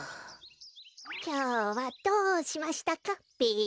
きょうはどうしましたかべ。